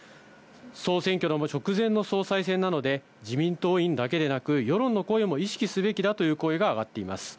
総選挙の直前の総裁選なので、自民党員だけでなく、世論の声も意識すべきだという声が上がっています。